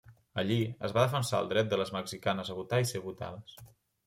Allí, es va defensar el dret de les mexicanes a votar i ser votades.